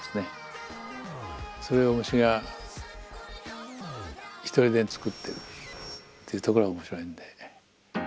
それを虫がひとりでにつくってるっていうところが面白いんで。